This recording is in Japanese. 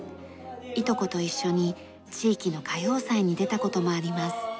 いとこと一緒に地域の歌謡祭に出た事もあります。